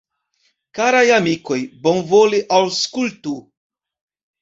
Karaj amikoj, bonvole aŭskultu!